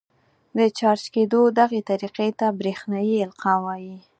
د چارج کېدو دغې طریقې ته برېښنايي القاء وايي.